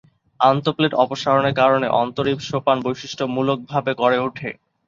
আন্তঃপ্লেট অপসারণের কারণে অন্তরীপ সোপান বৈশিষ্ট্যমূলকভাবে গড়ে উঠে।